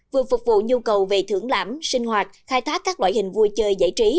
vừa phục vụ nhu cầu về thưởng lãm sinh hoạt khai thác các loại hình vui chơi giải trí